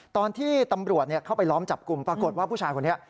ตอนที่ตำรวจเข้าไปล้อมจับกลุ่มปรากฏว่าผู้ชายคนนี้